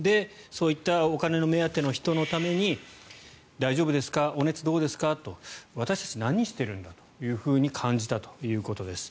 そういったお金目当ての人のために大丈夫ですかお熱どうですかと私たち何してるんだと感じたということです。